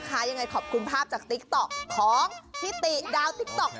ดังแล้ว